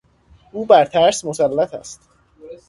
او بر ترس مسلط است.